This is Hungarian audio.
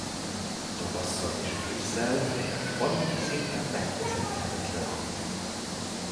Tavasszal és ősszel a falu szinte megközelíthetetlen.